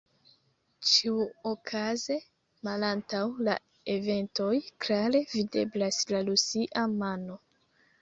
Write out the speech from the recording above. Ĉiuokaze malantaŭ la eventoj klare videblas la rusia mano.